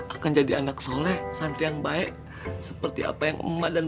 aku jalan balik ke pesantren